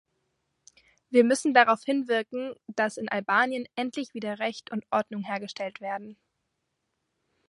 Wir müssen darauf hinwirken, dass in Albanien endlich wieder Recht und Ordnung hergestellt werden.